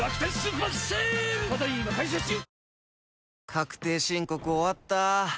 確定申告終わった。